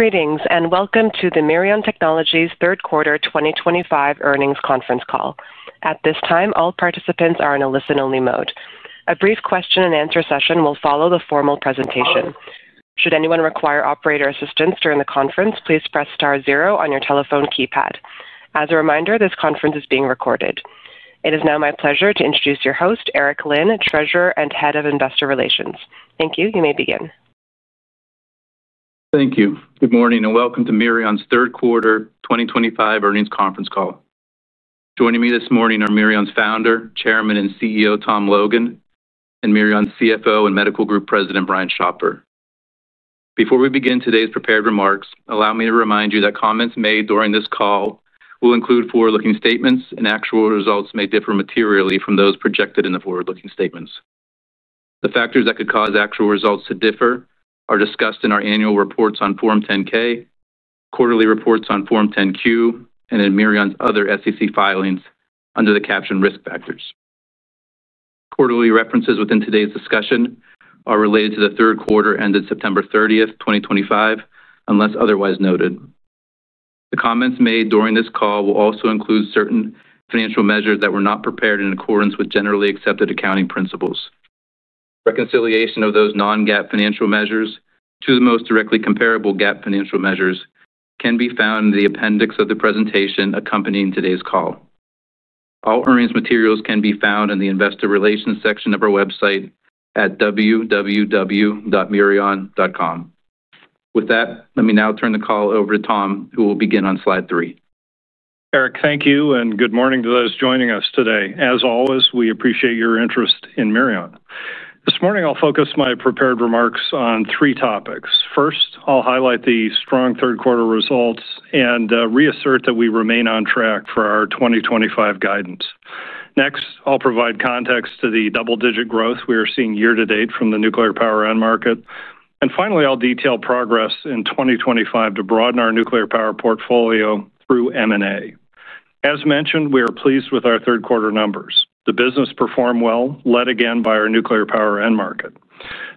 Greetings, and welcome to the Mirion Technologies third quarter 2025 earnings conference call. At this time, all participants are in a listen-only mode. A brief question and answer session will follow the formal presentation. Should anyone require operator assistance during the conference, please press star zero on your telephone keypad. As a reminder, this conference is being recorded. It is now my pleasure to introduce your host, Eric Linn, Treasurer and Head of Investor Relations. Thank you. You may begin. Thank you. Good morning and welcome to Mirion's third quarter 2025 earnings conference call. Joining me this morning are Mirion's Founder, Chairman and CEO, Tom Logan, and Mirion's CFO and Medical Group President, Brian Schopfer. Before we begin today's prepared remarks, allow me to remind you that comments made during this call will include forward-looking statements, and actual results may differ materially from those projected in the forward-looking statements. The factors that could cause actual results to differ are discussed in our annual reports on Form 10-K, quarterly reports on Form 10-Q, and in Mirion's other SEC filings under the caption "Risk Factors." Quarterly references within today's discussion are related to the third quarter ended September 30, 2025, unless otherwise noted. The comments made during this call will also include certain financial measures that were not prepared in accordance with generally accepted accounting principles. Reconciliation of those non-GAAP financial measures to the most directly comparable GAAP financial measures can be found in the appendix of the presentation accompanying today's call. All earnings materials can be found in the Investor Relations section of our website at www.mirion.com. With that, let me now turn the call over to Tom, who will begin on slide three. Eric, thank you, and good morning to those joining us today. As always, we appreciate your interest in Mirion. This morning, I'll focus my prepared remarks on three topics. First, I'll highlight the strong third quarter results and reassert that we remain on track for our 2025 guidance. Next, I'll provide context to the double-digit growth we are seeing year to date from the nuclear power end market. Finally, I'll detail progress in 2025 to broaden our nuclear power portfolio through M&A. As mentioned, we are pleased with our third quarter numbers. The business performed well, led again by our nuclear power end market.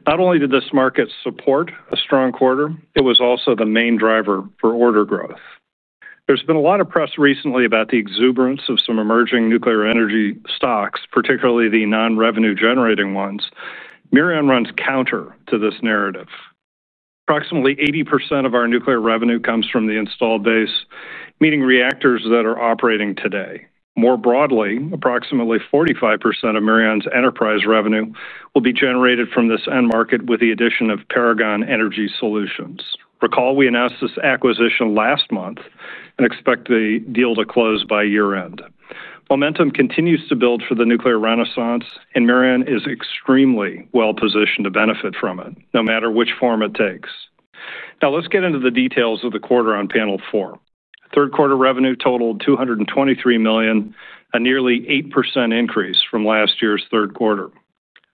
Not only did this market support a strong quarter, it was also the main driver for order growth. There's been a lot of press recently about the exuberance of some emerging nuclear energy stocks, particularly the non-revenue generating ones. Mirion runs counter to this narrative. Approximately 80% of our nuclear revenue comes from the installed base, meaning reactors that are operating today. More broadly, approximately 45% of Mirion's enterprise revenue will be generated from this end market with the addition of Paragon Energy Solutions. Recall, we announced this acquisition last month and expect the deal to close by year-end. Momentum continues to build for the nuclear renaissance, and Mirion is extremely well positioned to benefit from it, no matter which form it takes. Now, let's get into the details of the quarter on panel four. Third quarter revenue totaled $223 million, a nearly 8% increase from last year's third quarter.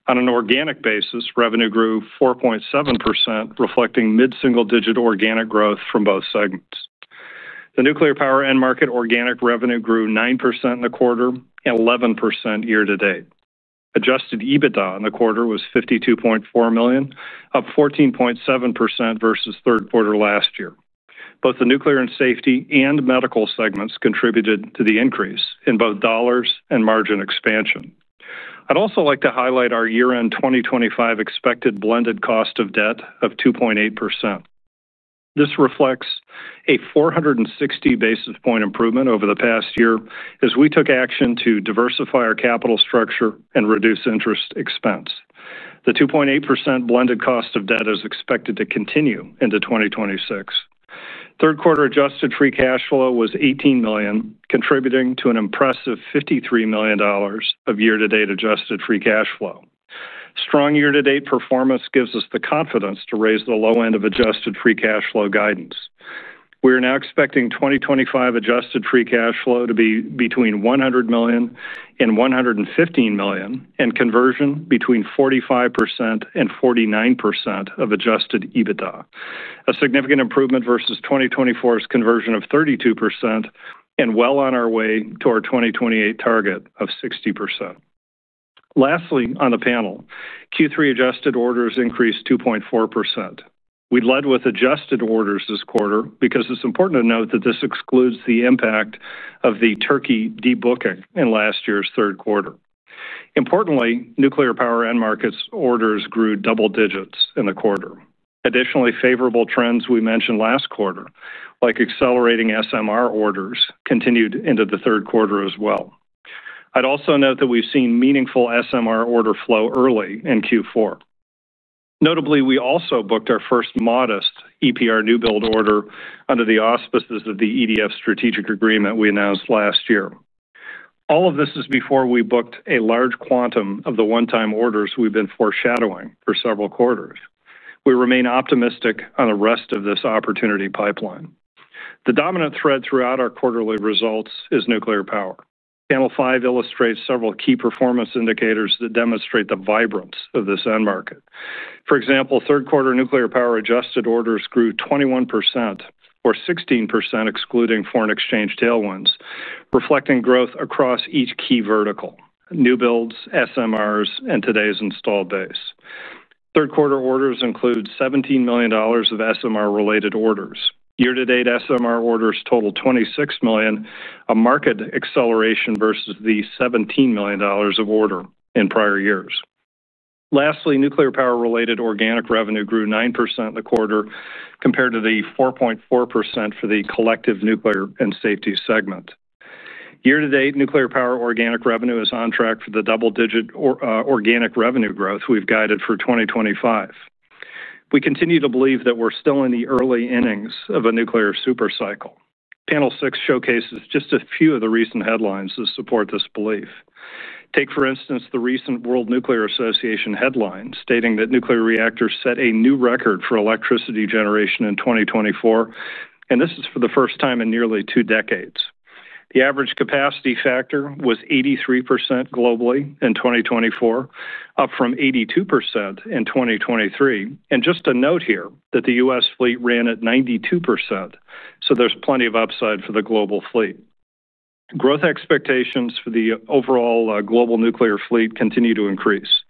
On an organic basis, revenue grew 4.7%, reflecting mid-single-digit organic growth from both segments. The nuclear power end market organic revenue grew 9% in the quarter and 11% year to date. Adjusted EBITDA in the quarter was $52.4 million, up 14.7% versus third quarter last year. Both the nuclear and safety and medical segments contributed to the increase in both dollars and margin expansion. I'd also like to highlight our year-end 2025 expected blended cost of debt of 2.8%. This reflects a 460 basis point improvement over the past year as we took action to diversify our capital structure and reduce interest expense. The 2.8% blended cost of debt is expected to continue into 2026. Third quarter adjusted free cash flow was $18 million, contributing to an impressive $53 million of year-to-date adjusted free cash flow. Strong year-to-date performance gives us the confidence to raise the low end of adjusted free cash flow guidance. We are now expecting 2025 adjusted free cash flow to be between $100 million and $115 million, and conversion between 45% and 49% of adjusted EBITDA. A significant improvement versus 2024's conversion of 32%, and well on our way to our 2028 target of 60%. Lastly, on the panel, Q3 adjusted orders increased 2.4%. We led with adjusted orders this quarter because it's important to note that this excludes the impact of the Turkey debooking in last year's third quarter. Importantly, nuclear power end markets orders grew double digits in the quarter. Additionally, favorable trends we mentioned last quarter, like accelerating SMR orders, continued into the third quarter as well. I'd also note that we've seen meaningful SMR order flow early in Q4. Notably, we also booked our first modest EPR new build order under the auspices of the EDF strategic agreement we announced last year. All of this is before we booked a large quantum of the one-time orders we've been foreshadowing for several quarters. We remain optimistic on the rest of this opportunity pipeline. The dominant thread throughout our quarterly results is nuclear power. Panel five illustrates several key performance indicators that demonstrate the vibrance of this end market. For example, third quarter nuclear power adjusted orders grew 21%, or 16% excluding foreign exchange tailwinds, reflecting growth across each key vertical: new builds, SMRs, and today's installed base. Third quarter orders include $17 million of SMR-related orders. Year-to-date SMR orders total $26 million, a marked acceleration versus the $17 million of order in prior years. Lastly, nuclear power-related organic revenue grew 9% in the quarter compared to the 4.4% for the collective nuclear and safety segment. Year-to-date nuclear power organic revenue is on track for the double-digit organic revenue growth we've guided for 2025. We continue to believe that we're still in the early innings of a nuclear supercycle. Panel six showcases just a few of the recent headlines that support this belief. Take, for instance, the recent World Nuclear Association headline stating that nuclear reactors set a new record for electricity generation in 2024, and this is for the first time in nearly two decades. The average capacity factor was 83% globally in 2024, up from 82% in 2023. Just a note here that the U.S. Fleet ran at 92%, so there's plenty of upside for the global fleet. Growth expectations for the overall global nuclear fleet continue to increase.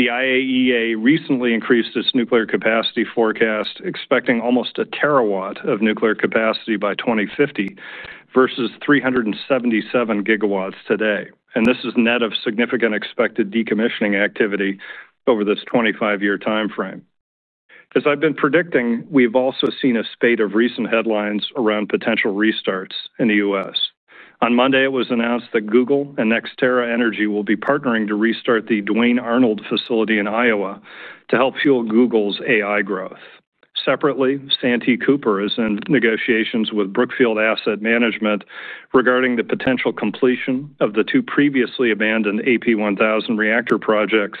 The IAEA recently increased its nuclear capacity forecast, expecting almost a terawatt of nuclear capacity by 2050 versus 377 GW today. This is net of significant expected decommissioning activity over this 25-year timeframe. As I've been predicting, we've also seen a spate of recent headlines around potential restarts in the U.S. On Monday, it was announced that Google and NextEra Energy will be partnering to restart the Duane Arnold facility in Iowa to help fuel Google's AI growth. Separately, Santee Cooper is in negotiations with Brookfield Asset Management regarding the potential completion of the two previously abandoned AP-1000 reactor projects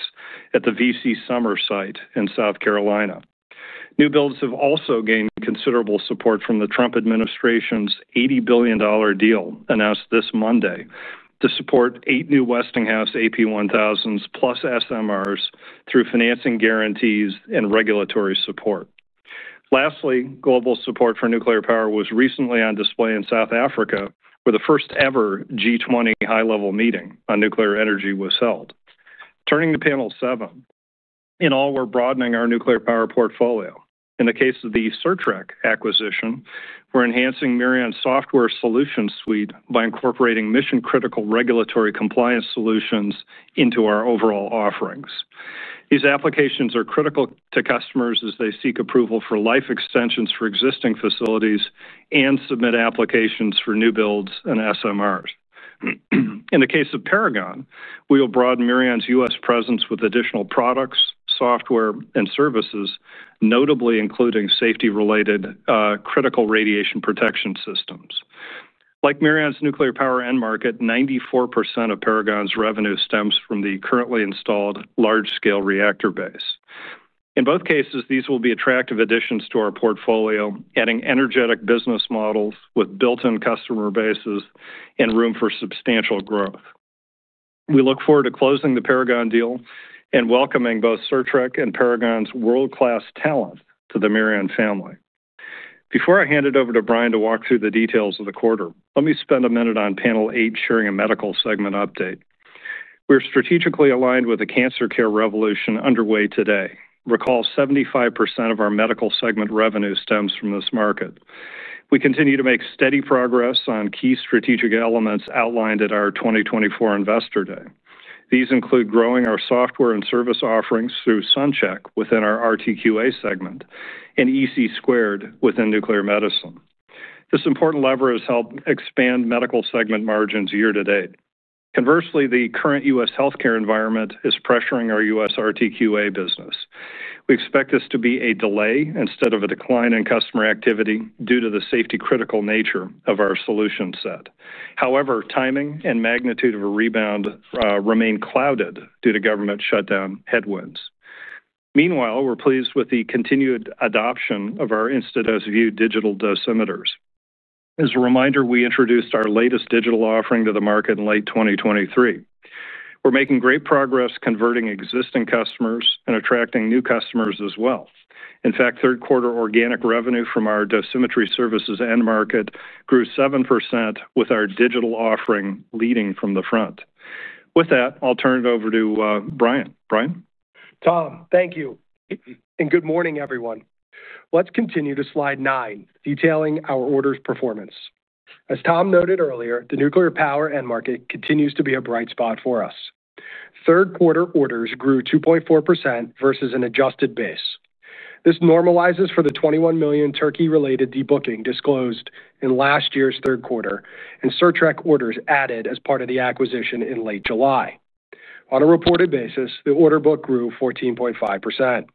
at the VC Summer site in South Carolina. New builds have also gained considerable support from the Trump administration's $80 billion deal announced this Monday to support eight new Westinghouse AP-1000s+ SMRs through financing guarantees and regulatory support. Lastly, global support for nuclear power was recently on display in South Africa, where the first-ever G20 high-level meeting on nuclear energy was held. Turning to panel seven, in all, we're broadening our nuclear power portfolio. In the case of the Certrec acquisition, we're enhancing Mirion's software solution suite by incorporating mission-critical regulatory compliance solutions into our overall offerings. These applications are critical to customers as they seek approval for life extensions for existing facilities and submit applications for new builds and SMRs. In the case of Paragon, we will broaden Mirion's U.S. presence with additional products, software, and services, notably including safety-related critical radiation protection systems. Like Mirion's nuclear power end market, 94% of Paragon's revenue stems from the currently installed large-scale reactor base. In both cases, these will be attractive additions to our portfolio, adding energetic business models with built-in customer bases and room for substantial growth. We look forward to closing the Paragon deal and welcoming both Certrec and Paragon's world-class talent to the Mirion family. Before I hand it over to Brian to walk through the details of the quarter, let me spend a minute on panel eight, sharing a medical segment update. We are strategically aligned with the cancer care revolution underway today. Recall, 75% of our medical segment revenue stems from this market. We continue to make steady progress on key strategic elements outlined at our 2024 Investor Day. These include growing our software and service offerings through SunCHECK within our RTQA segment and EC2 within nuclear medicine. This important lever has helped expand medical segment margins year to date. Conversely, the current U.S. healthcare environment is pressuring our U.S. RTQA business. We expect this to be a delay instead of a decline in customer activity due to the safety-critical nature of our solution set. However, timing and magnitude of a rebound remain clouded due to government shutdown headwinds. Meanwhile, we're pleased with the continued adoption of our Instadose Vue digital Dosimeters. As a reminder, we introduced our latest digital offering to the market in late 2023. We're making great progress converting existing customers and attracting new customers as well. In fact, third quarter organic revenue from our dosimetry services end market grew 7% with our digital offering leading from the front. With that, I'll turn it over to Brian. Brian? Tom, thank you, and good morning, everyone. Let's continue to slide nine, detailing our orders performance. As Tom noted earlier, the nuclear power end market continues to be a bright spot for us. Third quarter orders grew 2.4% versus an adjusted base. This normalizes for the $21 million Turkey-related debooking disclosed in last year's third quarter, and Certrec orders added as part of the acquisition in late July. On a reported basis, the order book grew 14.5%.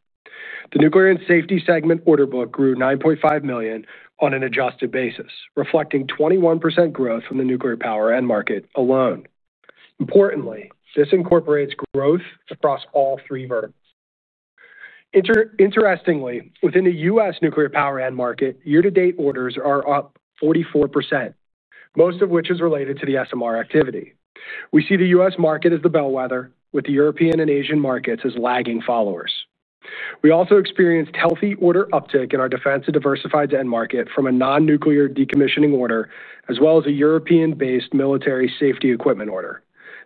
The Nuclear and Safety segment order book grew $9.5 million on an adjusted basis, reflecting 21% growth in the nuclear power end market alone. Importantly, this incorporates growth across all three verticals. Interestingly, within the U.S. nuclear power end market, year-to-date orders are up 44%, most of which is related to the SMR activity. We see the U.S. market as the bellwether, with the European and Asian markets as lagging followers. We also experienced healthy order uptake in our defense and diversified end market from a non-nuclear decommissioning order, as well as a European-based military safety equipment order.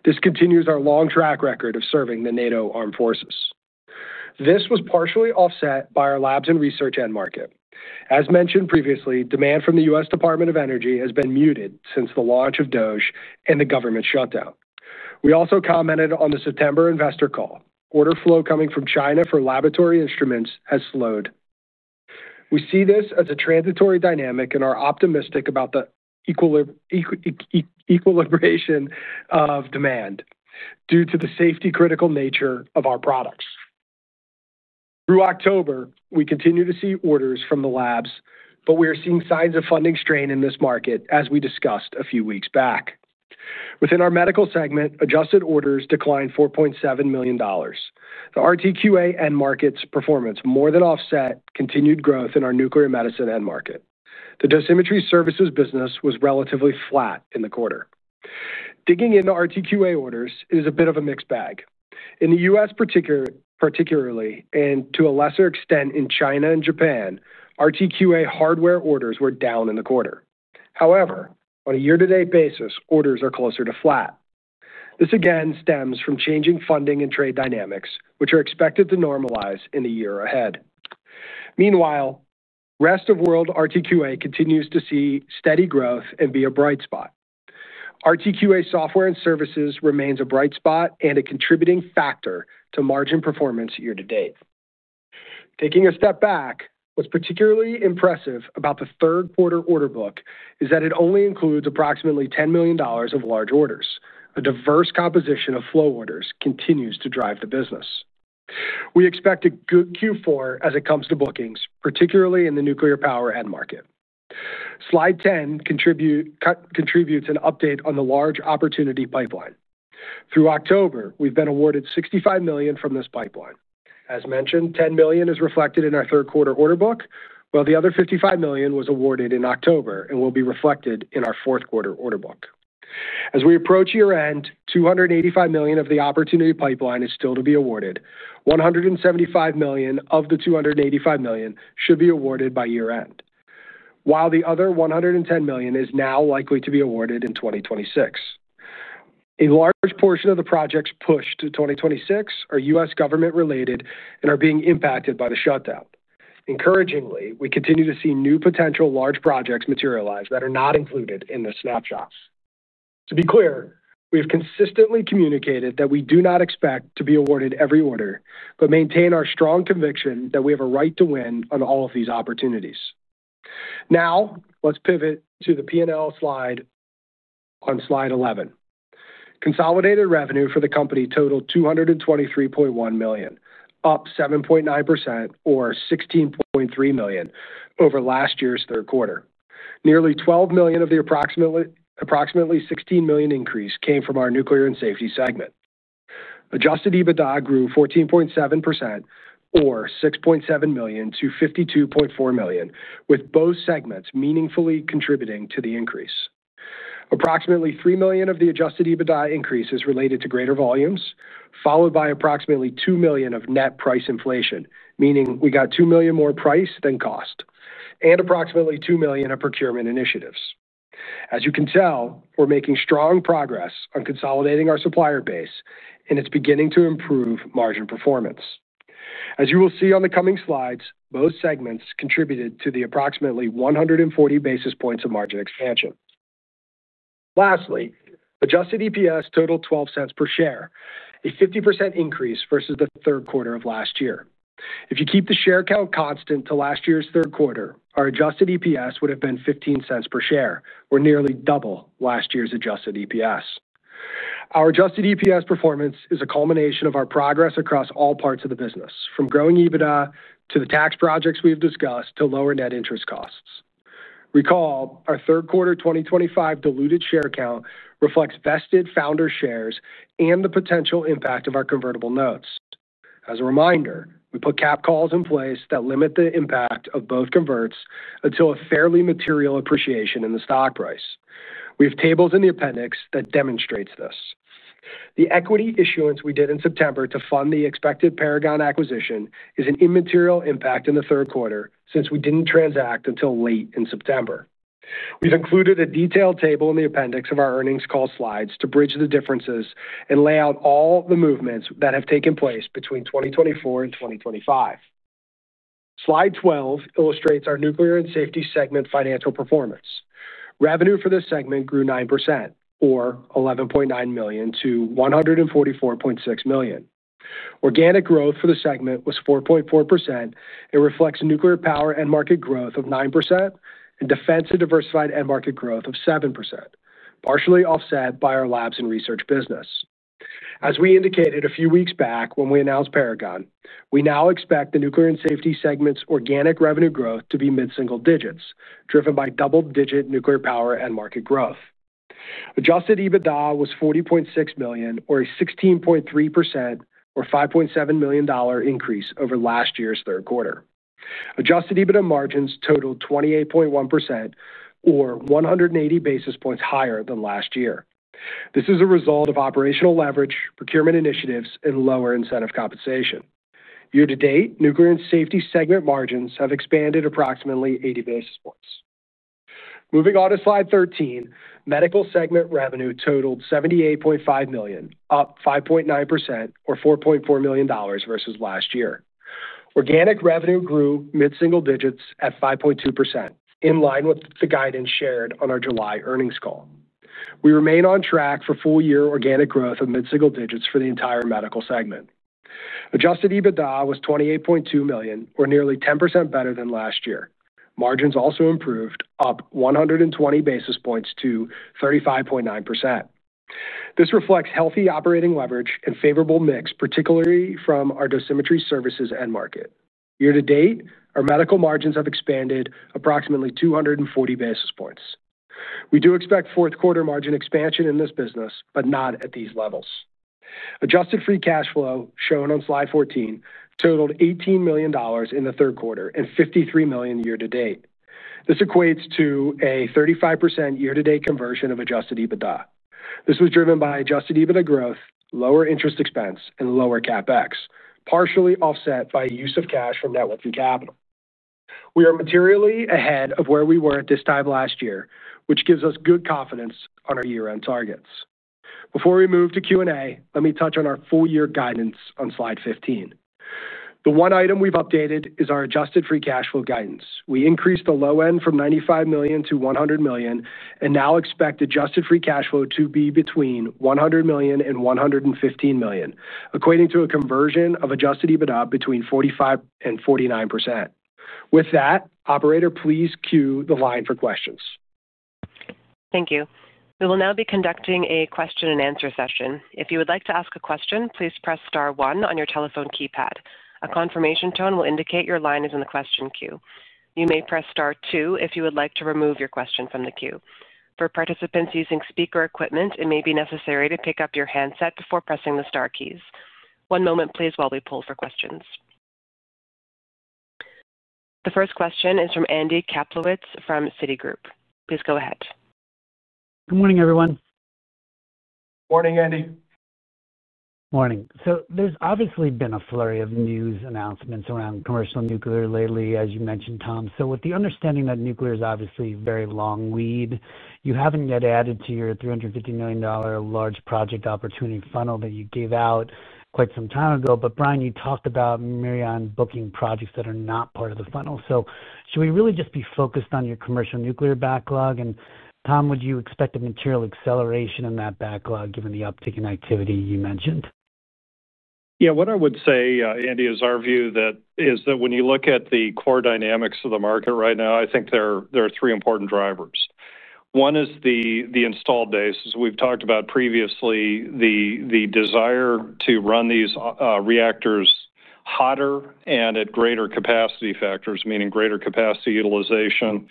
This continues our long track record of serving the NATO armed forces. This was partially offset by our labs and research end market. As mentioned previously, demand from the U.S. Department of Energy has been muted since the launch of DOGE and the government shutdown. We also commented on the September investor call. Order flow coming from China for laboratory instruments has slowed. We see this as a transitory dynamic and are optimistic about the equilibration of demand due to the safety-critical nature of our products. Through October, we continue to see orders from the labs, but we are seeing signs of funding strain in this market, as we discussed a few weeks back. Within our Medical segment, adjusted orders declined $4.7 million. The RTQA end market's performance more than offset continued growth in our nuclear medicine end market. The dosimetry services business was relatively flat in the quarter. Digging into RTQA orders is a bit of a mixed bag. In the U.S., particularly, and to a lesser extent in China and Japan, RTQA hardware orders were down in the quarter. However, on a year-to-date basis, orders are closer to flat. This again stems from changing funding and trade dynamics, which are expected to normalize in the year ahead. Meanwhile, the rest of the world RTQA continues to see steady growth and be a bright spot. RTQA software and services remains a bright spot and a contributing factor to margin performance year to date. Taking a step back, what's particularly impressive about the third quarter order book is that it only includes approximately $10 million of large orders. A diverse composition of flow orders continues to drive the business. We expect a good Q4 as it comes to bookings, particularly in the nuclear power end market. Slide 10 contributes an update on the large opportunity pipeline. Through October, we've been awarded $65 million from this pipeline. As mentioned, $10 million is reflected in our third quarter order book, while the other $55 million was awarded in October and will be reflected in our fourth quarter order book. As we approach year-end, $285 million of the opportunity pipeline is still to be awarded. $175 million of the $285 million should be awarded by year-end, while the other $110 million is now likely to be awarded in 2026. A large portion of the projects pushed to 2026 are U.S. government-related and are being impacted by the shutdown. Encouragingly, we continue to see new potential large projects materialize that are not included in the snapshots. To be clear, we have consistently communicated that we do not expect to be awarded every order, but maintain our strong conviction that we have a right to win on all of these opportunities. Now, let's pivot to the P&L slide on slide 11. Consolidated revenue for the company totaled $223.1 million, up 7.9% or $16.3 million over last year's third quarter. Nearly $12 million of the approximately $16 million increase came from our nuclear and safety segment. Adjusted EBITDA grew 14.7% or $6.7 million to $52.4 million, with both segments meaningfully contributing to the increase. Approximately $3 million of the adjusted EBITDA increase is related to greater volumes, followed by approximately $2 million of net price inflation, meaning we got $2 million more price than cost, and approximately $2 million of procurement initiatives. As you can tell, we're making strong progress on consolidating our supplier base, and it's beginning to improve margin performance. As you will see on the coming slides, both segments contributed to the approximately 140 basis points of margin expansion. Lastly, adjusted EPS totaled $0.12 per share, a 50% increase versus the third quarter of last year. If you keep the share count constant to last year's third quarter, our adjusted EPS would have been $0.15 per share, or nearly double last year's adjusted EPS. Our adjusted EPS performance is a culmination of our progress across all parts of the business, from growing EBITDA to the tax projects we've discussed to lower net interest costs. Recall, our third quarter 2025 diluted share count reflects vested founder shares and the potential impact of our convertible notes. As a reminder, we put cap calls in place that limit the impact of both converts until a fairly material appreciation in the stock price. We have tables in the appendix that demonstrate this. The equity issuance we did in September to fund the expected Paragon acquisition is an immaterial impact in the third quarter since we didn't transact until late in September. We've included a detailed table in the appendix of our earnings call slides to bridge the differences and lay out all the movements that have taken place between 2024 and 2025. Slide 12 illustrates our nuclear and safety segment financial performance. Revenue for this segment grew 9% or $11.9 million to $144.6 million. Organic growth for the segment was 4.4%. It reflects nuclear power end market growth of 9% and defense and diversified end market growth of 7%, partially offset by our labs and research business. As we indicated a few weeks back when we announced Paragon, we now expect the nuclear and safety segment's organic revenue growth to be mid-single digits, driven by double-digit nuclear power end market growth. Adjusted EBITDA was $40.6 million, or a 16.3% or $5.7 million increase over last year's third quarter. Adjusted EBITDA margins totaled 28.1%, or 180 basis points higher than last year. This is a result of operational leverage, procurement initiatives, and lower incentive compensation. Year to date, nuclear and safety segment margins have expanded approximately 80 basis points. Moving on to slide 13, medical segment revenue totaled $78.5 million, up 5.9% or $4.4 million versus last year. Organic revenue grew mid-single digits at 5.2%, in line with the guidance shared on our July earnings call. We remain on track for full-year organic growth of mid-single digits for the entire medical segment. Adjusted EBITDA was $28.2 million, or nearly 10% better than last year. Margins also improved, up 120 basis points to 35.9%. This reflects healthy operating leverage and favorable mix, particularly from our dosimetry services end market. Year to date, our medical margins have expanded approximately 240 basis points. We do expect fourth quarter margin expansion in this business, but not at these levels. Adjusted free cash flow, shown on slide 14, totaled $18 million in the third quarter and $53 million year to date. This equates to a 35% year-to-date conversion of adjusted EBITDA. This was driven by adjusted EBITDA growth, lower interest expense, and lower CapEx, partially offset by the use of cash from networking capital. We are materially ahead of where we were at this time last year, which gives us good confidence on our year-end targets. Before we move to Q&A, let me touch on our full-year guidance on slide 15. The one item we've updated is our adjusted free cash flow guidance. We increased the low end from $95 million-$100 million and now expect adjusted free cash flow to be between $100 million and $115 million, equating to a conversion of adjusted EBITDA between 45% and 49%. With that, operator, please queue the line for questions. Thank you. We will now be conducting a question and answer session. If you would like to ask a question, please press star one on your telephone keypad. A confirmation tone will indicate your line is in the question queue. You may press star two if you would like to remove your question from the queue. For participants using speaker equipment, it may be necessary to pick up your handset before pressing the star keys. One moment, please, while we pull for questions. The first question is from Andy Kaplowitz from Citigroup. Please go ahead. Good morning, everyone. Morning, Andy. Morning. There's obviously been a flurry of news announcements around commercial nuclear lately, as you mentioned, Tom. With the understanding that nuclear is obviously a very long lead, you haven't yet added to your $350 million large project opportunity funnel that you gave out quite some time ago. Brian, you talked about Mirion booking projects that are not part of the funnel. Should we really just be focused on your commercial nuclear backlog? Tom, would you expect a material acceleration in that backlog given the uptick in activity you mentioned? Yeah, what I would say, Andy, is our view is that when you look at the core dynamics of the market right now, I think there are three important drivers. One is the installed base. As we've talked about previously, the desire to run these reactors hotter and at greater capacity factors, meaning greater capacity utilization,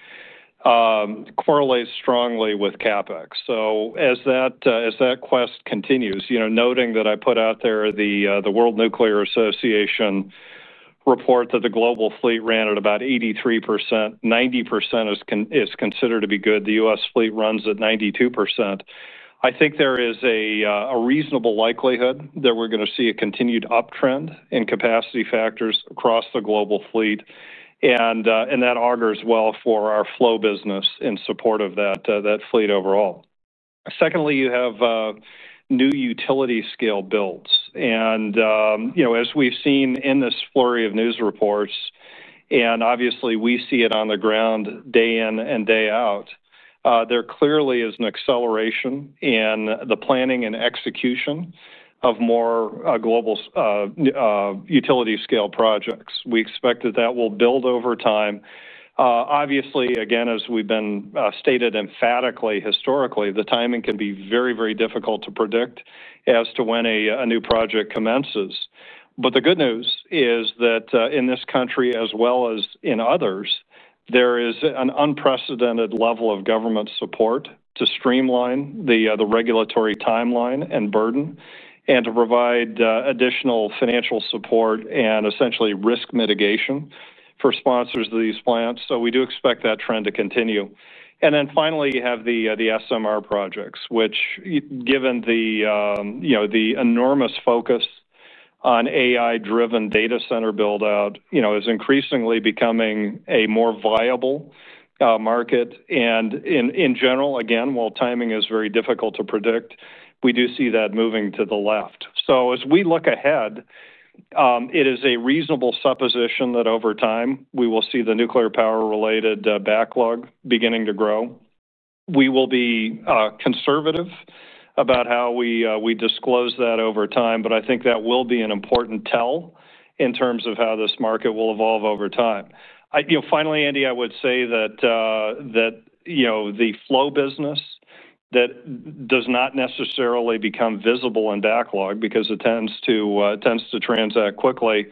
correlates strongly with CapEx. As that quest continues, noting that I put out there the World Nuclear Association report that the global fleet ran at about 83%, 90% is considered to be good. The U.S. fleet runs at 92%. I think there is a reasonable likelihood that we're going to see a continued uptrend in capacity factors across the global fleet, and that augurs well for our flow business in support of that fleet overall. Secondly, you have new utility scale builds. As we've seen in this flurry of news reports, and obviously we see it on the ground day in and day out, there clearly is an acceleration in the planning and execution of more global utility scale projects. We expect that will build over time. Obviously, as we've stated emphatically historically, the timing can be very, very difficult to predict as to when a new project commences. The good news is that in this country, as well as in others, there is an unprecedented level of government support to streamline the regulatory timeline and burden and to provide additional financial support and essentially risk mitigation for sponsors of these plants. We do expect that trend to continue. Finally, you have the SMR projects, which, given the enormous focus on AI-driven data center build-out, is increasingly becoming a more viable market. In general, while timing is very difficult to predict, we do see that moving to the left. As we look ahead, it is a reasonable supposition that over time we will see the nuclear power-related backlog beginning to grow. We will be conservative about how we disclose that over time, but I think that will be an important tell in terms of how this market will evolve over time. Finally, Andy, I would say that the flow business that does not necessarily become visible in backlog because it tends to transact quickly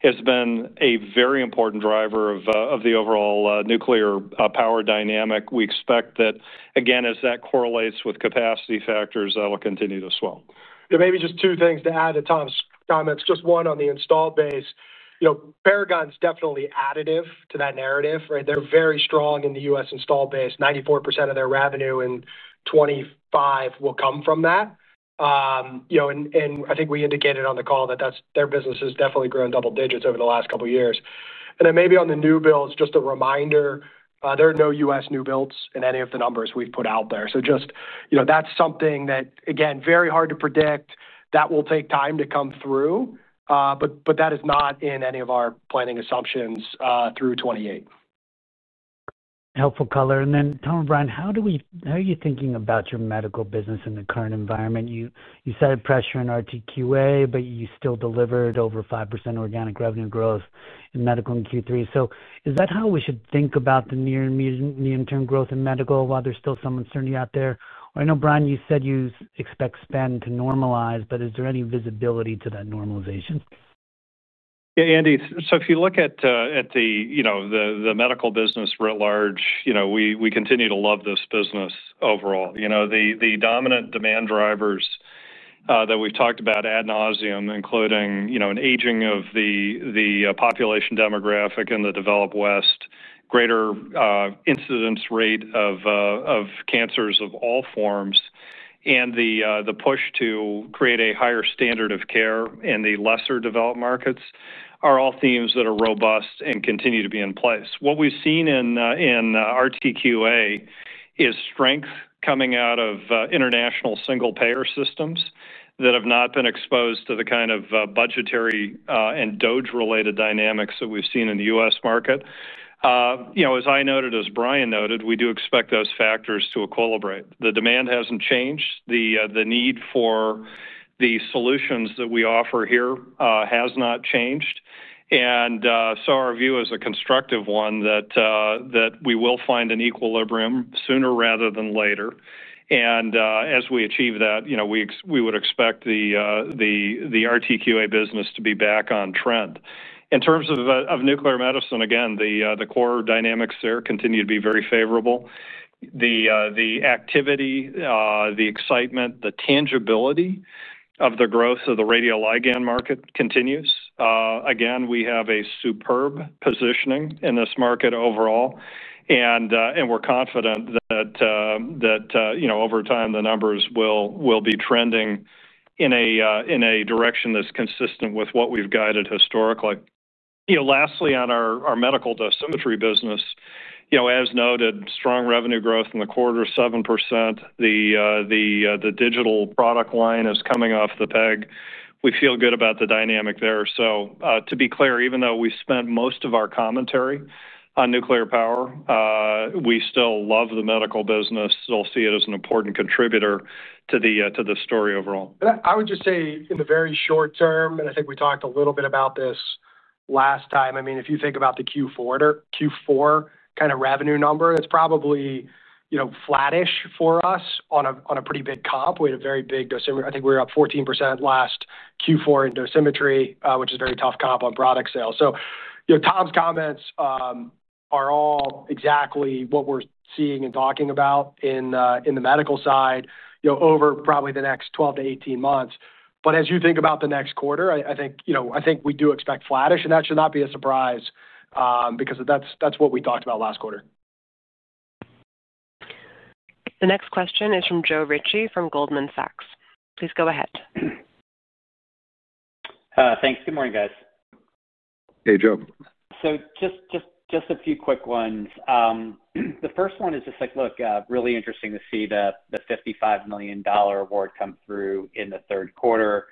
has been a very important driver of the overall nuclear power dynamic. We expect that, as that correlates with capacity factors, that will continue to swell. There may be just two things to add to Tom's comments, just one on the installed base. Paragon's definitely additive to that narrative. They're very strong in the U.S. installed base. 94% of their revenue in 2025 will come from that. I think we indicated on the call that their business has definitely grown double digits over the last couple of years. Maybe on the new builds, just a reminder, there are no U.S. new builds in any of the numbers we've put out there. That's something that, again, is very hard to predict. That will take time to come through, but that is not in any of our planning assumptions through 2028. Helpful color. Tom and Brian, how are you thinking about your medical business in the current environment? You cited pressure in RTQA, but you still delivered over 5% organic revenue growth in medical in Q3. Is that how we should think about the near and medium-term growth in medical while there's still some uncertainty out there? I know, Brian, you said you expect spend to normalize, but is there any visibility to that normalization? Yeah, Andy, if you look at the medical business writ large, we continue to love this business overall. The dominant demand drivers that we've talked about ad nauseam, including an aging of the population demographic in the developed West, greater incidence rate of cancers of all forms, and the push to create a higher standard of care in the lesser developed markets are all themes that are robust and continue to be in place. What we've seen in RTQA is strength coming out of international single-payer systems that have not been exposed to the kind of budgetary and DOGE-related dynamics that we've seen in the U.S. market. As I noted, as Brian noted, we do expect those factors to equilibrate. The demand hasn't changed. The need for the solutions that we offer here has not changed. Our view is a constructive one that we will find an equilibrium sooner rather than later. As we achieve that, we would expect the RTQA business to be back on trend. In terms of nuclear medicine, the core dynamics there continue to be very favorable. The activity, the excitement, the tangibility of the growth of the radioligand market continues. We have a superb positioning in this market overall. We're confident that, over time, the numbers will be trending in a direction that's consistent with what we've guided historically. Lastly, on our medical dosimetry business, as noted, strong revenue growth in the quarter, 7%. The digital product line is coming off the peg. We feel good about the dynamic there. To be clear, even though we spent most of our commentary on nuclear power, we still love the medical business. Still see it as an important contributor to the story overall. I would just say in the very short term, and I think we talked a little bit about this last time, if you think about the Q4 kind of revenue number, that's probably, you know, flattish for us on a pretty big comp. We had a very big dosimetry. I think we were up 14% last Q4 in dosimetry, which is a very tough comp on product sales. Tom's comments are all exactly what we're seeing and talking about in the medical side, you know, over probably the next 12-18 months. As you think about the next quarter, I think, you know, I think we do expect flattish, and that should not be a surprise because that's what we talked about last quarter. The next question is from Joe Ritchie from Goldman Sachs. Please go ahead. Thanks. Good morning, guys. Hey, Joe. Just a few quick ones. The first one is, really interesting to see the $55 million award come through in the third quarter.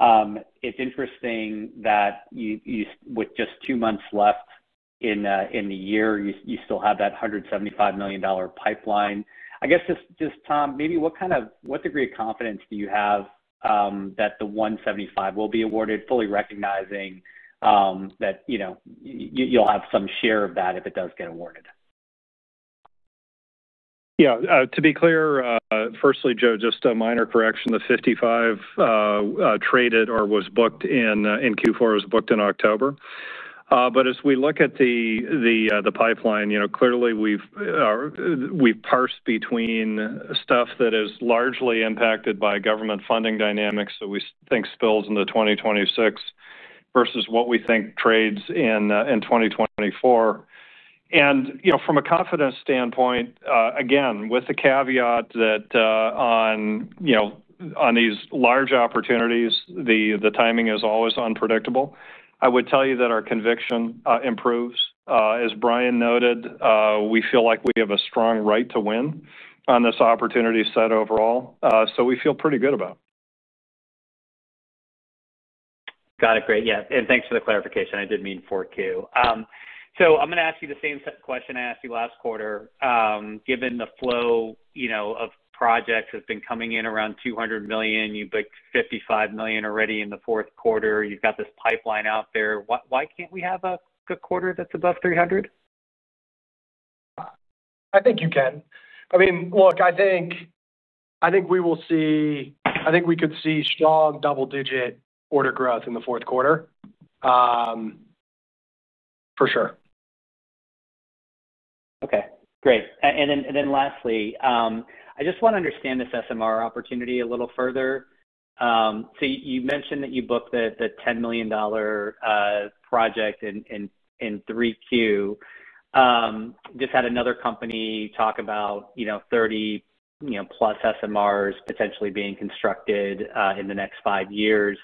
It's interesting that you, with just two months left in the year, you still have that $175 million pipeline. I guess, Tom, maybe what kind of, what degree of confidence do you have that the $175 million will be awarded, fully recognizing that you'll have some share of that if it does get awarded? Yeah, to be clear, firstly, Joe, just a minor correction. The $55 million traded or was booked in Q4 was booked in October. As we look at the pipeline, we've parsed between stuff that is largely impacted by government funding dynamics, which we think spills into 2026 versus what we think trades in 2024. From a confidence standpoint, again, with the caveat that on these large opportunities, the timing is always unpredictable, I would tell you that our conviction improves. As Brian noted, we feel like we have a strong right to win on this opportunity set overall. We feel pretty good about it. Got it. Great. Thanks for the clarification. I did mean 4Q. I'm going to ask you the same question I asked you last quarter. Given the flow of projects that have been coming in around $200 million, you booked $55 million already in the fourth quarter. You've got this pipeline out there. Why can't we have a quarter that's above $300 million? I think we will see, I think we could see strong double-digit order growth in the fourth quarter, for sure. Okay. Great. Lastly, I just want to understand this SMR opportunity a little further. You mentioned that you booked the $10 million project in 3Q. I just had another company talk about, you know, 30+ SMRs potentially being constructed in the next five years.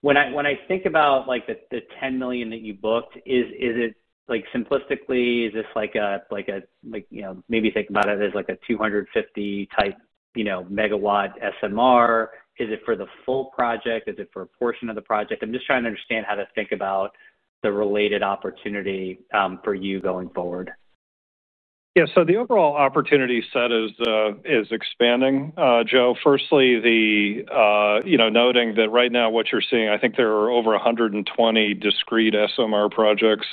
When I think about the $10 million that you booked, is it, simplistically, is this like a 250-type, you know, megawatt SMR? Is it for the full project? Is it for a portion of the project? I'm just trying to understand how to think about the related opportunity for you going forward. Yeah, the overall opportunity set is expanding, Joe. Firstly, noting that right now what you're seeing, I think there are over 120 discrete SMR projects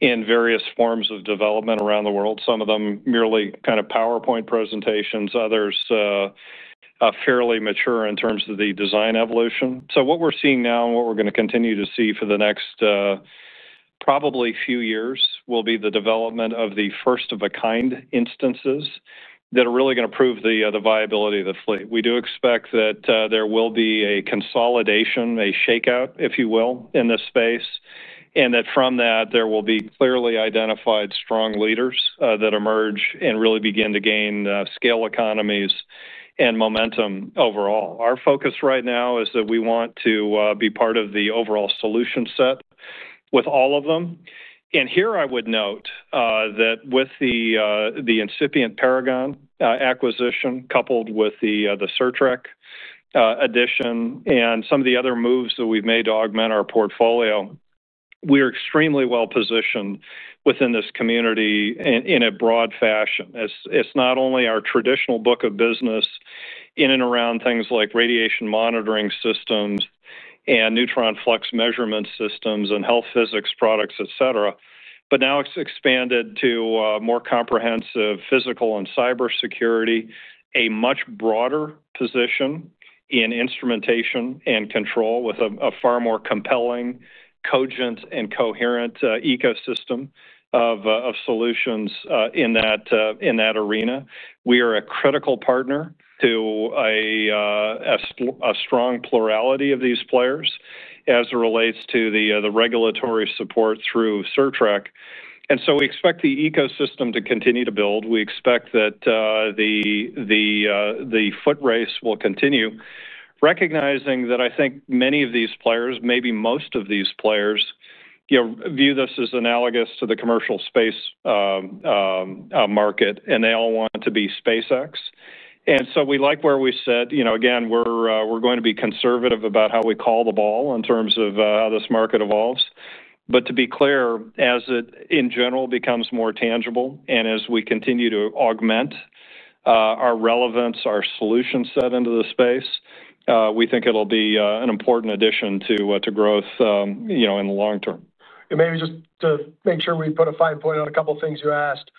in various forms of development around the world. Some of them are merely kind of PowerPoint presentations, others are fairly mature in terms of the design evolution. What we're seeing now and what we're going to continue to see for the next probably few years will be the development of the first-of-a-kind instances that are really going to prove the viability of the fleet. We do expect that there will be a consolidation, a shakeout, if you will, in this space, and that from that, there will be clearly identified strong leaders that emerge and really begin to gain scale economies and momentum overall. Our focus right now is that we want to be part of the overall solution set with all of them. Here I would note that with the incipient Paragon acquisition coupled with the Certrec addition and some of the other moves that we've made to augment our portfolio, we are extremely well positioned within this community in a broad fashion. It's not only our traditional book of business in and around things like radiation monitoring systems and neutron flux measurement systems and health physics products, et cetera, but now it's expanded to more comprehensive physical and cybersecurity, a much broader position in instrumentation and control with a far more compelling, cogent, and coherent ecosystem of solutions in that arena. We are a critical partner to a strong plurality of these players as it relates to the regulatory support through Certrec. We expect the ecosystem to continue to build. We expect that the foot race will continue, recognizing that I think many of these players, maybe most of these players, view this as analogous to the commercial space market, and they all want to be SpaceX. We like where we sit. Again, we're going to be conservative about how we call the ball in terms of how this market evolves. To be clear, as it in general becomes more tangible and as we continue to augment our relevance, our solution set into the space, we think it'll be an important addition to growth in the long term. Maybe just to make sure we put a fine point on a couple of things you asked.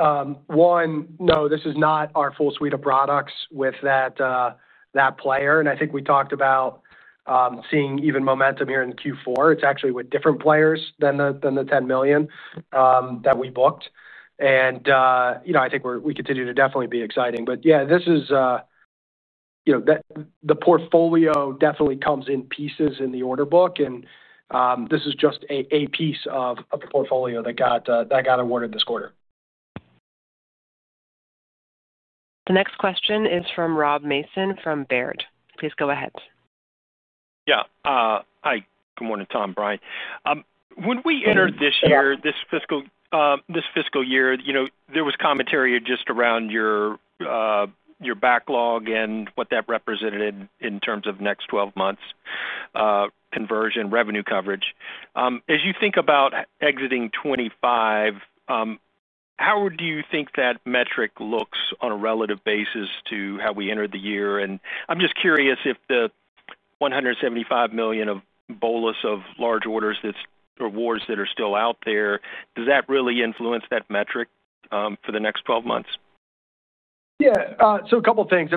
One, no, this is not our full suite of products with that player. I think we talked about seeing even momentum here in Q4. It's actually with different players than the $10 million that we booked. I think we continue to definitely be exciting. This is, you know, the portfolio definitely comes in pieces in the order book, and this is just a piece of the portfolio that got awarded this quarter. The next question is from Rob Mason from Baird. Please go ahead. Yeah. Hi. Good morning, Tom, Brian. When we entered this year, this fiscal year, you know, there was commentary just around your backlog and what that represented in terms of the next 12 months' conversion revenue coverage. As you think about exiting 2025, how do you think that metric looks on a relative basis to how we entered the year? I'm just curious if the $175 million of bolus of large orders that are still out there, does that really influence that metric for the next 12 months? Yeah. A couple of things.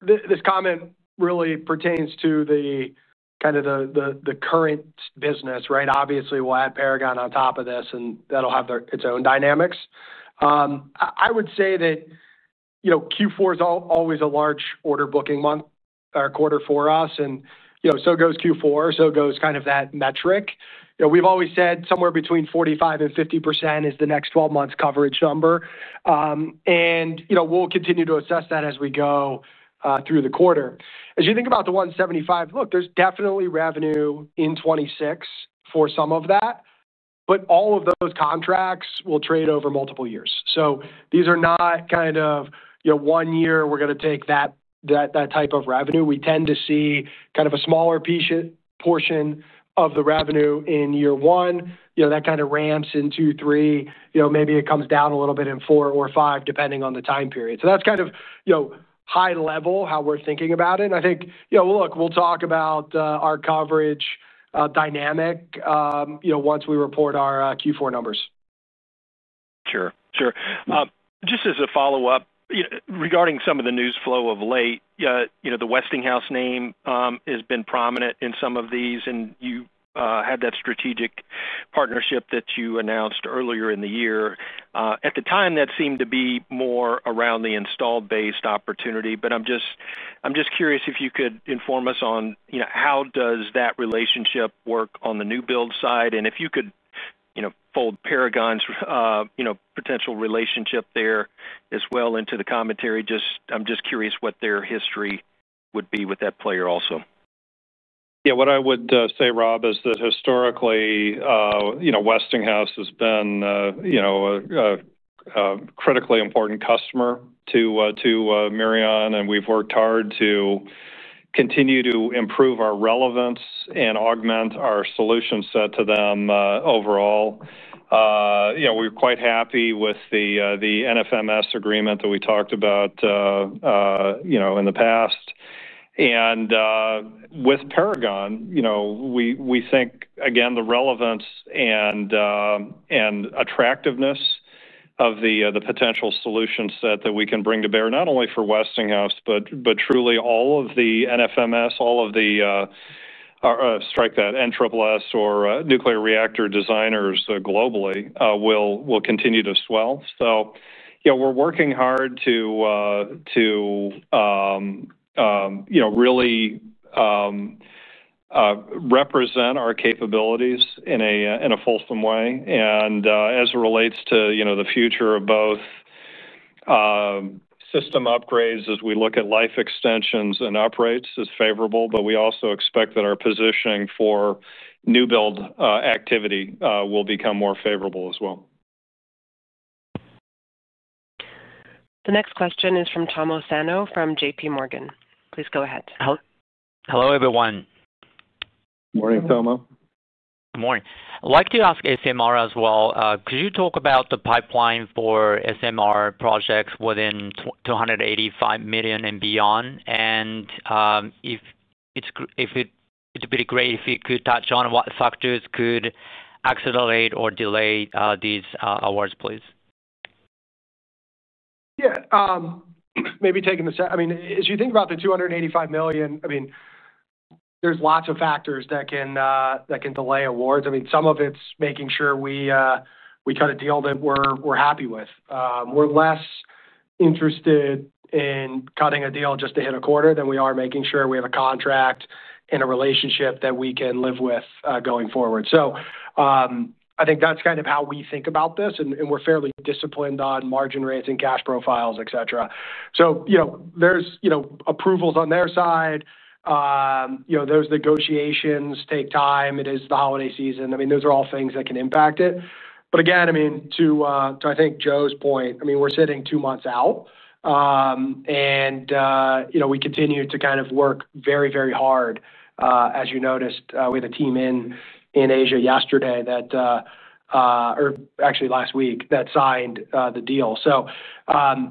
This comment really pertains to kind of the current business, right? Obviously, we'll add Paragon on top of this, and that'll have its own dynamics. I would say that Q4 is always a large order booking month or quarter for us. You know, so goes Q4, so goes kind of that metric. We've always said somewhere between 45% and 50% is the next 12 months' coverage number. We'll continue to assess that as we go through the quarter. As you think about the $175, look, there's definitely revenue in 2026 for some of that, but all of those contracts will trade over multiple years. These are not kind of, you know, one year we're going to take that type of revenue. We tend to see kind of a smaller portion of the revenue in year one. That kind of ramps in Q3. Maybe it comes down a little bit in Q4 or Q5, depending on the time period. That's kind of, you know, high-level how we're thinking about it. I think, you know, look, we'll talk about our coverage dynamic once we report our Q4 numbers. Sure. Just as a follow-up, regarding some of the news flow of late, the Westinghouse name has been prominent in some of these, and you had that strategic partnership that you announced earlier in the year. At the time, that seemed to be more around the installed base opportunity. I'm just curious if you could inform us on how does that relationship work on the new build side? If you could fold Paragon's potential relationship there as well into the commentary, I'm just curious what their history would be with that player also. Yeah, what I would say, Rob, is that historically, you know, Westinghouse has been a critically important customer to Mirion, and we've worked hard to continue to improve our relevance and augment our solution set to them overall. We're quite happy with the NFMS agreement that we talked about in the past. With Paragon, we think, again, the relevance and attractiveness of the potential solution set that we can bring to bear not only for Westinghouse, but truly all of the NSSS or nuclear reactor designers globally will continue to swell. We're working hard to really represent our capabilities in a fulsome way. As it relates to the future of both system upgrades as we look at life extensions and uprates, it is favorable. We also expect that our positioning for new build activity will become more favorable as well. The next question is from Thomas Cassino from JPMorgan. Please go ahead. Hello, everyone. Morning, Tom. Morning. I'd like to ask about SMR as well. Could you talk about the pipeline for SMR projects within $285 million and beyond? It'd be great if you could touch on what factors could accelerate or delay these awards, please? Yeah. Maybe taking the second, as you think about the $285 million, there are lots of factors that can delay awards. Some of it is making sure we cut a deal that we're happy with. We're less interested in cutting a deal just to hit a quarter than we are making sure we have a contract and a relationship that we can live with going forward. I think that's kind of how we think about this, and we're fairly disciplined on margin rates and cash profiles, et cetera. There are approvals on their side. Those negotiations take time. It is the holiday season. Those are all things that can impact it. Again, to I think Joe's point, we're sitting two months out, and we continue to kind of work very, very hard. As you noticed, we had a team in Asia last week that signed the deal.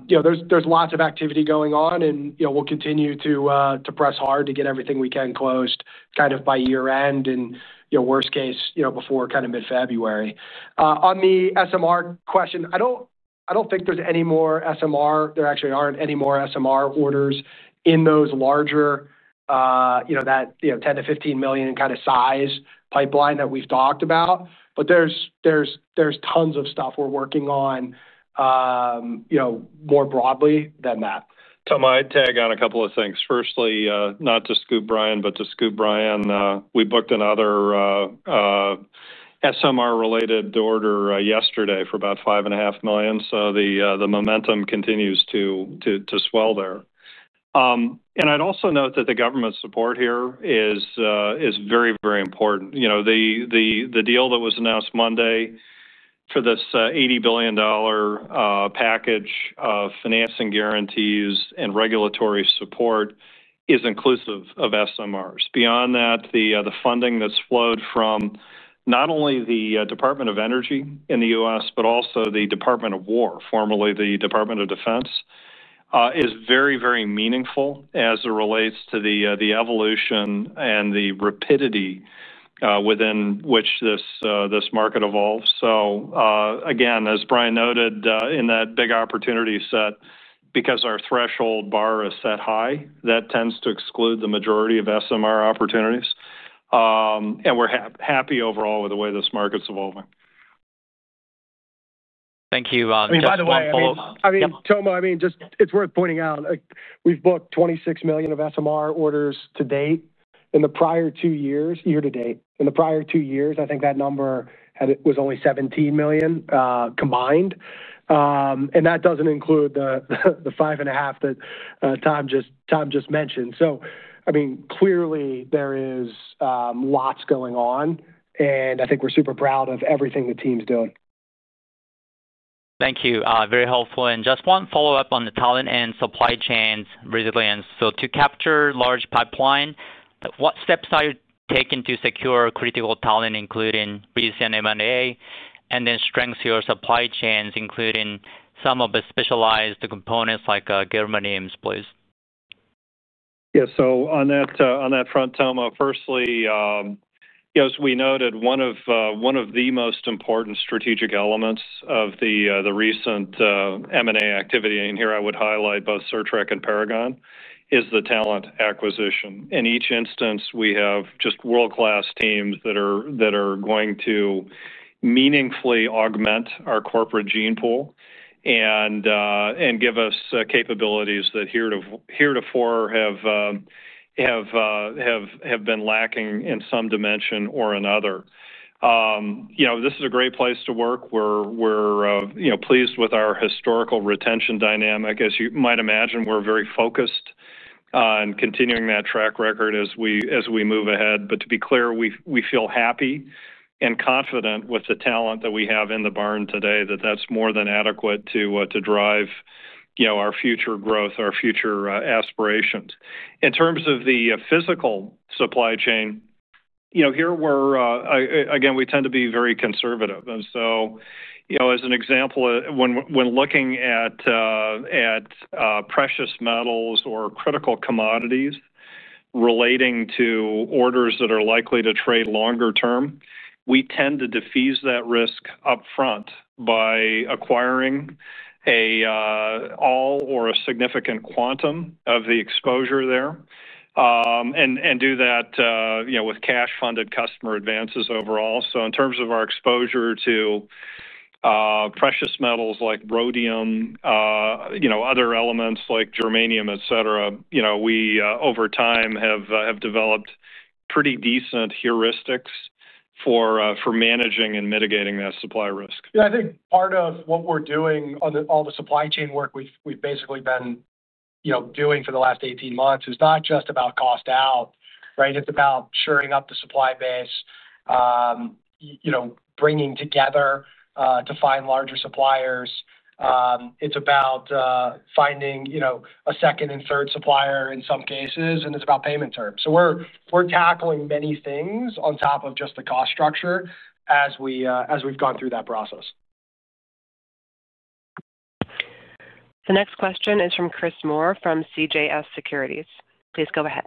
There is lots of activity going on, and we'll continue to press hard to get everything we can closed by year-end and, worst case, before mid-February. On the SMR question, I don't think there's any more SMR. There actually aren't any more SMR orders in those larger, you know, that $10 million-$15 million kind of size pipeline that we've talked about. There is tons of stuff we're working on more broadly than that. Tom, I'd tag on a couple of things. Firstly, not to scoop Brian, but to scoop Brian, we booked another SMR-related order yesterday for about $5.5 million. The momentum continues to swell there. I'd also note that the government's support here is very, very important. The deal that was announced Monday for this $80 billion package of financing guarantees and regulatory support is inclusive of SMRs. Beyond that, the funding that's flowed from not only the Department of Energy in the U.S., but also the Department of War, formerly the Department of Defense, is very, very meaningful as it relates to the evolution and the rapidity within which this market evolves. As Brian noted, in that big opportunity set, because our threshold bar is set high, that tends to exclude the majority of SMR opportunities. We're happy overall with the way this market's evolving. Thank you. By the way, Tom, it's worth pointing out we've booked $26 million of SMR orders to date in the prior two years, year to date. In the prior two years, I think that number was only $17 million combined. That doesn't include the $5.5 million that Tom just mentioned. Clearly, there are lots going on, and I think we're super proud of everything the team's doing. Thank you. Very helpful. Just one follow-up on the talent and supply chain resilience. To capture a large pipeline, what steps are you taking to secure critical talent, including BCM M&A, and then strengthen your supply chains, including some of the specialized components like German names, please? Yeah, so on that front, Tom, firstly, as we noted, one of the most important strategic elements of the recent M&A activity, and here I would highlight both Certrec and Paragon, is the talent acquisition. In each instance, we have just world-class teams that are going to meaningfully augment our corporate gene pool and give us capabilities that heretofore have been lacking in some dimension or another. This is a great place to work. We're pleased with our historical retention dynamic. As you might imagine, we're very focused on continuing that track record as we move ahead. To be clear, we feel happy and confident with the talent that we have in the barn today, that that's more than adequate to drive our future growth, our future aspirations. In terms of the physical supply chain, we tend to be very conservative. For example, when looking at precious metals or critical commodities relating to orders that are likely to trade longer term, we tend to defuse that risk upfront by acquiring all or a significant quantum of the exposure there, and do that with cash-funded customer advances overall. In terms of our exposure to precious metals like rhodium, other elements like germanium, et cetera, we over time have developed pretty decent heuristics for managing and mitigating that supply risk. I think part of what we're doing on all the supply chain work we've basically been doing for the last 18 months is not just about cost out, right? It's about shoring up the supply base, bringing together to find larger suppliers. It's about finding a second and third supplier in some cases, and it's about payment terms. We're tackling many things on top of just the cost structure as we've gone through that process. The next question is from Chris Moore from CJS Securities. Please go ahead.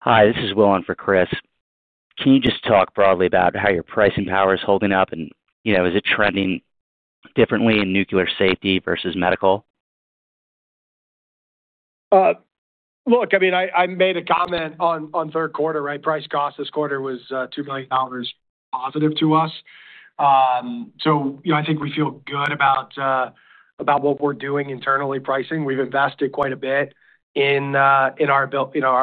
Hi, this is Willan for Chris. Can you just talk broadly about how your pricing power is holding up, and you know, is it trending differently in nuclear safety versus medical? Look, I mean, I made a comment on third quarter, right? Price cost this quarter was $2 million positive to us. I think we feel good about what we're doing internally pricing. We've invested quite a bit in our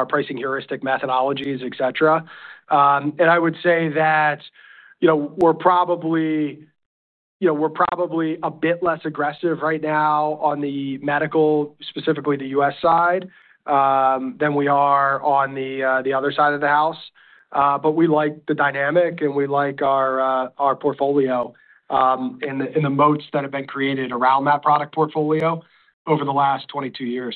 pricing heuristic methodologies, et cetera. I would say that we're probably a bit less aggressive right now on the medical, specifically the U.S. side, than we are on the other side of the house. We like the dynamic, and we like our portfolio and the moats that have been created around that product portfolio over the last 22 years.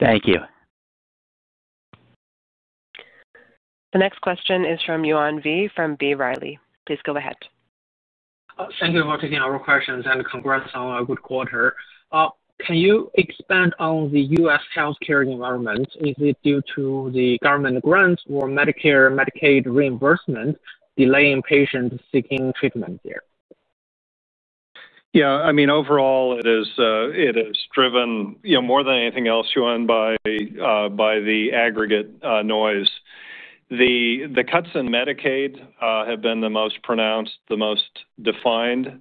Thank you. The next question is from Yuan Zhi from B. Riley. Please go ahead. Thank you for taking our questions, and congrats on a good quarter. Can you expand on the U.S. healthcare environment? Is it due to the government grants or Medicare and Medicaid reimbursement delaying patients seeking treatment there? Yeah, I mean, overall, it is driven more than anything else, Yuan, by the aggregate noise. The cuts in Medicaid have been the most pronounced, the most defined.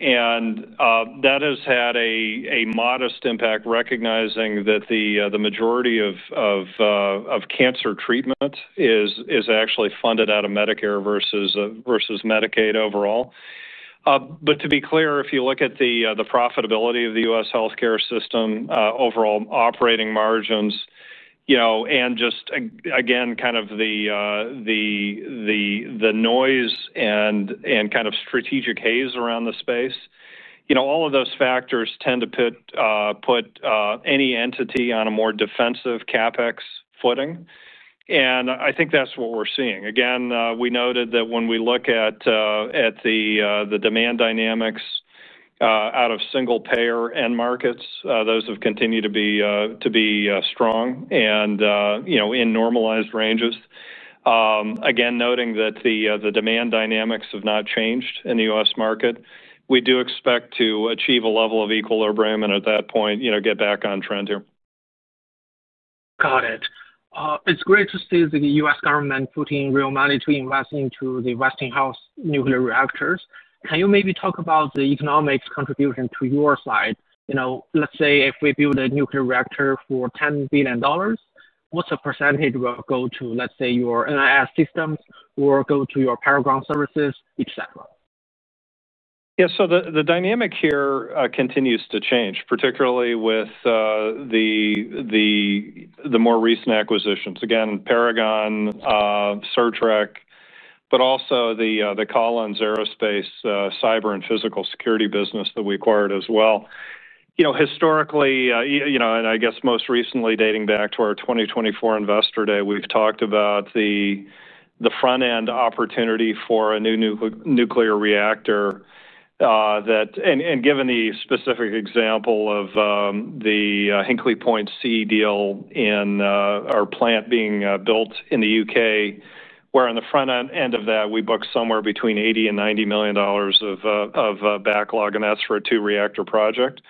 That has had a modest impact, recognizing that the majority of cancer treatment is actually funded out of Medicare versus Medicaid overall. To be clear, if you look at the profitability of the U.S. healthcare system, overall operating margins, and just, again, kind of the noise and kind of strategic haze around the space, all of those factors tend to put any entity on a more defensive CapEx footing. I think that's what we're seeing. Again, we noted that when we look at the demand dynamics out of single-payer end markets, those have continued to be strong and in normalized ranges. Noting that the demand dynamics have not changed in the U.S. market, we do expect to achieve a level of equilibrium and at that point, get back on trend here. Got it. It's great to see the U.S. government putting real money to invest into the Westinghouse nuclear reactors. Can you maybe talk about the economics contribution to your side? You know, let's say if we build a nuclear reactor for $10 billion, what's the percentage will go to, let's say, your NIS systems or go to your Paragon services, etc.? The dynamic here continues to change, particularly with the more recent acquisitions. Paragon, Certrec, but also the Collins Aerospace cyber and physical security business that we acquired as well. Historically, and I guess most recently dating back to our 2024 Investor Day, we've talked about the front-end opportunity for a new nuclear reactor, and given the specific example of the Hinckley Point C deal in our plant being built in the U.K., where on the front end of that, we book somewhere between $80 million and $90 million of backlog, and that's for a two-reactor project.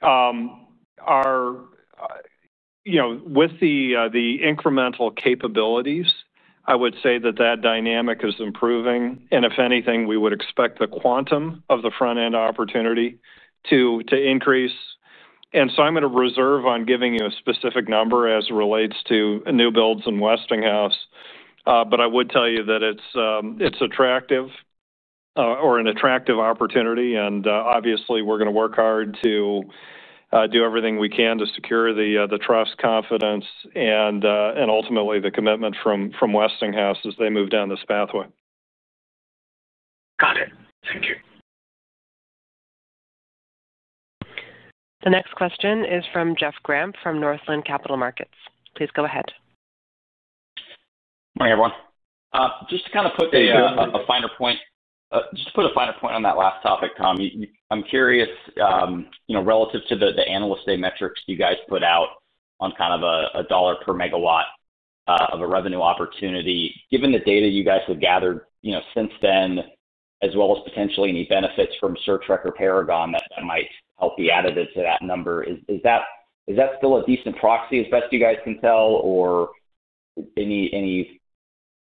With the incremental capabilities, I would say that dynamic is improving. If anything, we would expect the quantum of the front-end opportunity to increase. I'm going to reserve on giving you a specific number as it relates to new builds and Westinghouse, but I would tell you that it's attractive or an attractive opportunity. Obviously, we're going to work hard to do everything we can to secure the trust, confidence, and ultimately the commitment from Westinghouse as they move down this pathway. Got it. Thank you. The next question is from Jeff Gramp from Northland Capital Markets. Please go ahead. Morning, everyone. Just to put a finer point on that last topic, Tom, I'm curious, relative to the analysts' day metrics you guys put out on a dollar per megawatt of a revenue opportunity, given the data you guys have gathered since then, as well as potentially any benefits from Certrec or Paragon that might help be added to that number, is that still a decent proxy as best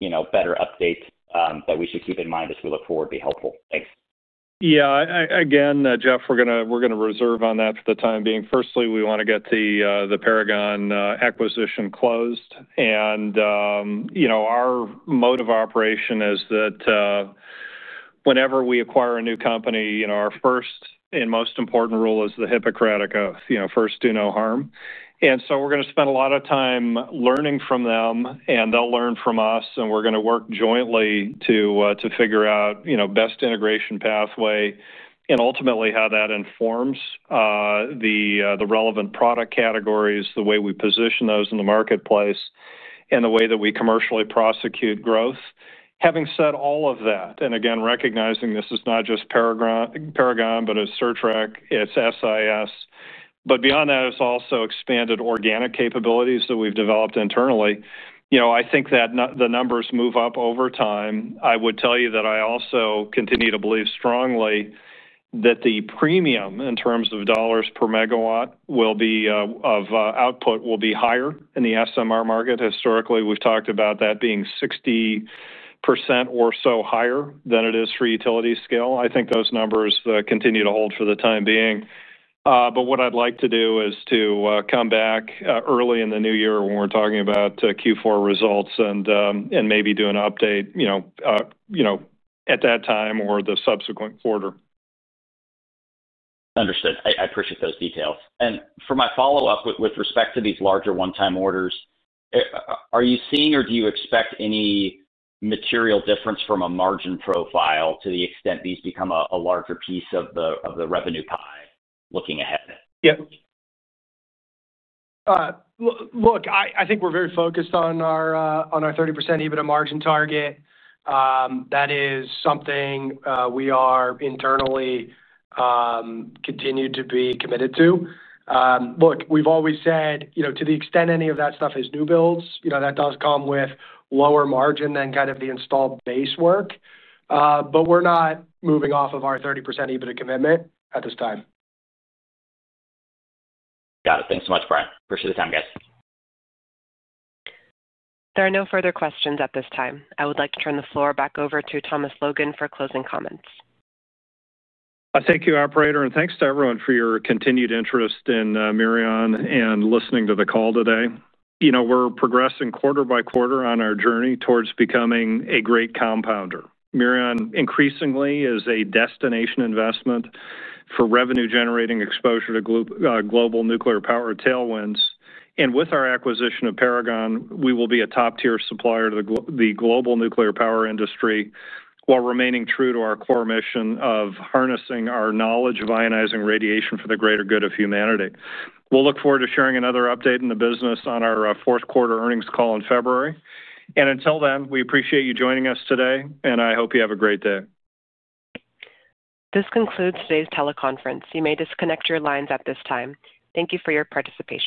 you guys can tell, or any better updates that we should keep in mind as we look forward would be helpful. Thanks. Yeah, again, Jeff, we're going to reserve on that for the time being. Firstly, we want to get the Paragon acquisition closed. Our mode of operation is that whenever we acquire a new company, our first and most important rule is the Hippocratic Oath, you know, first do no harm. We're going to spend a lot of time learning from them, and they'll learn from us, and we're going to work jointly to figure out the best integration pathway and ultimately how that informs the relevant product categories, the way we position those in the marketplace, and the way that we commercially prosecute growth. Having said all of that, and again, recognizing this is not just Paragon, but it's Certrec, it's SIS. Beyond that, it's also expanded organic capabilities that we've developed internally. I think that the numbers move up over time. I would tell you that I also continue to believe strongly that the premium in terms of dollars per megawatt of output will be higher in the SMR market. Historically, we've talked about that being 60% or so higher than it is for utility scale. I think those numbers continue to hold for the time being. What I'd like to do is to come back early in the new year when we're talking about Q4 results and maybe do an update at that time or the subsequent quarter. Understood. I appreciate those details. For my follow-up with respect to these larger one-time orders, are you seeing or do you expect any material difference from a margin profile to the extent these become a larger piece of the revenue pie looking ahead? Yeah. Look, I think we're very focused on our 30% adjusted EBITDA margin target. That is something we are internally continued to be committed to. Look, we've always said, you know, to the extent any of that stuff is new builds, you know, that does come with lower margin than kind of the installed base work. We're not moving off of our 30% adjusted EBITDA commitment at this time. Got it. Thanks so much, Brian. Appreciate the time, guys. There are no further questions at this time. I would like to turn the floor back over to Thomas Logan for closing comments. Thank you, operator, and thanks to everyone for your continued interest in Mirion and listening to the call today. We're progressing quarter by quarter on our journey towards becoming a great compounder. Mirion increasingly is a destination investment for revenue-generating exposure to global nuclear power tailwinds. With our acquisition of Paragon, we will be a top-tier supplier to the global nuclear power industry while remaining true to our core mission of harnessing our knowledge of ionizing radiation for the greater good of humanity. We look forward to sharing another update in the business on our fourth quarter earnings call in February. Until then, we appreciate you joining us today, and I hope you have a great day. This concludes today's teleconference. You may disconnect your lines at this time. Thank you for your participation.